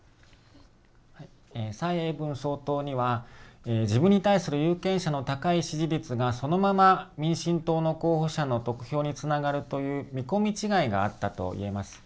蔡英文総統には、自分に対する有権者の高い支持率がそのまま民進党の候補者の得票につながるという見込み違いがあったといえます。